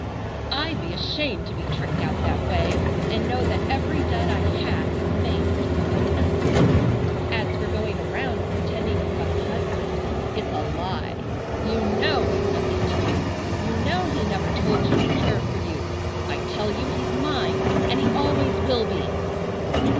I'd be ashamed to be tricked out that way and know that every dud I had was made for somebody else. As for going around and pretending you have a husband—it's a lie. You know he's nothing to you. You know he never told you he cared for you. I tell you he's mine, and he always will be."